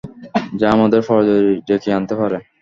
যা আমাদের পরাজয় ডেকে আনতে পারে।